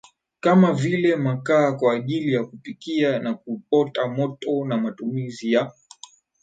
kama vile makaa kwa ajili ya kupikia na kuota moto na matumizi ya